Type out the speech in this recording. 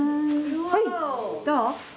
はいどう？